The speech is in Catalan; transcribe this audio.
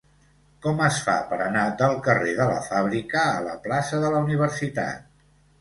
Com es fa per anar del carrer de la Fàbrica a la plaça de la Universitat?